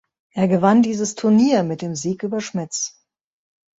Er gewann dieses Turnier mit dem Sieg über Schmitz.